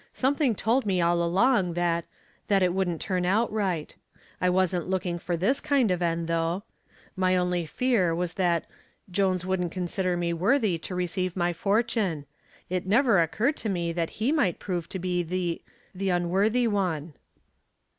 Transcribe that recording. Something told me all along that that it wouldn't turn out right. I wasn't looking for this kind of end, though. My only fear was that Jones wouldn't consider me worthy to receive the fortune. It never occurred to me that he might prove to be the the unworthy one."